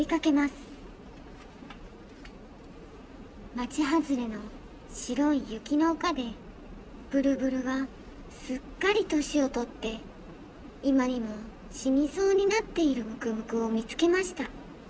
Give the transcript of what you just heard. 「まちはずれのしろいゆきのおかでブルブルはすっかりとしをとっていまにもしにそうになっているムクムクをみつけました。